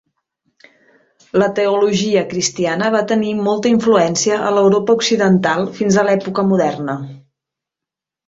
La teologia cristiana va tenir molta influència a l'Europa occidental fins a l'època moderna.